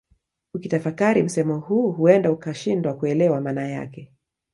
Ukitafakari msemo huu huenda ukashindwa kuelewa maana yake